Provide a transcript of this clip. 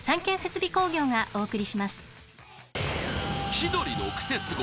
［『千鳥のクセスゴ！』